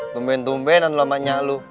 tumben tumbenan lamanya lu